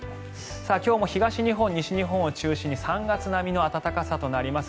今日も東日本、西日本を中心に３月並みの暖かさとなります。